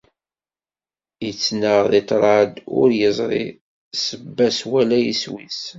Ittnaɣ di ṭṭṛad ur izṛi sebba-s wala iswi-s.